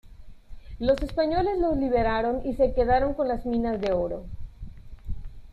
Los españoles los liberaron y se quedaron con las minas de oro.